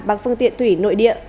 bằng phương tiện thủy nội địa